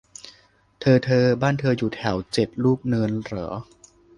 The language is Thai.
เธอเธอบ้านเธออยู่แถวเจ็ดลูกเนินเหรอ